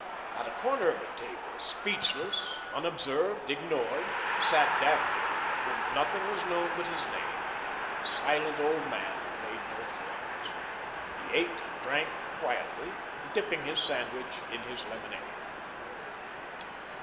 At a corner of the table, speechless, unobserved, ignored, sat Dabney, of whom nothing was known but his name, the silent old man who made no friends. He ate and drank quietly, dipping his sandwich in his lemonade.